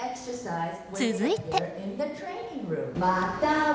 続いて。